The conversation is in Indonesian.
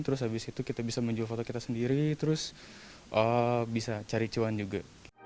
terus habis itu kita bisa menjual foto kita sendiri terus bisa cari cuan juga